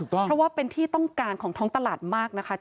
เพราะว่าเป็นที่ต้องการของท้องตลาดมากนะคะ